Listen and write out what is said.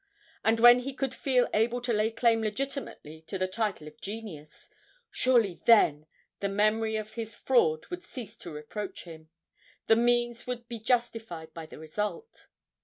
And when he could feel able to lay claim legitimately to the title of genius, surely then the memory of his fraud would cease to reproach him the means would be justified by the result.